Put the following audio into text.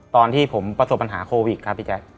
ตอนที่ผมประสบปัญหาโควิดครับพี่แจ๊ค